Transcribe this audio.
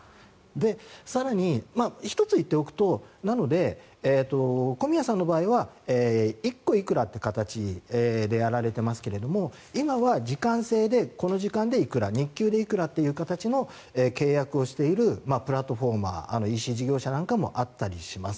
更に１つ言っておくと小宮さんの場合は１個いくらって形でやられていますけれど今は時間制でこの時間でいくら日給でいくらという形の契約をしているプラットフォーマーＥＣ事業者なんかもあったりします。